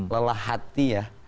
lelah hati ya